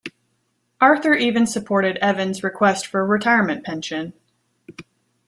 Arthur even supported Evans' request for a retirement pension.